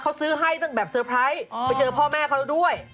เขาซื้อให้ตั้งแต่เตอร์ไพรส์ไปเจอพ่อแม่เขาแล้วด้วย